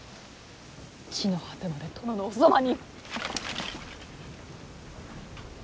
地の果てまで殿のおそばに！